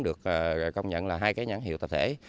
được công nhận là hai cái nhãn hiệu tập thể